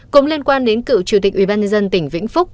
cũng liên quan đến cựu chủ tịch ubnd tỉnh vĩnh phúc